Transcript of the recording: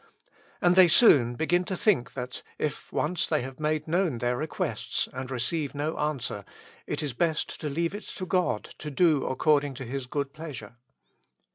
And they soon begin to think that, if once they have made known their requests, and receive no answer, it is best to leave it to God to do according to His good pleasure.